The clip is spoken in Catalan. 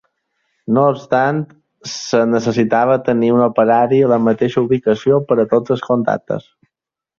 No obstant, es necessitava tenir un operari a la mateixa ubicació per a tots els contactes.